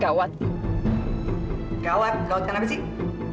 gawat gawat kan apa sih